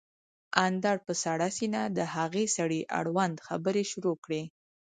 اندړ په سړه سينه د هغه سړي اړوند خبرې شروع کړې